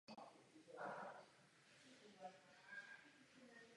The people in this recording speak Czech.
Moderátorem večera byl Anthony Anderson.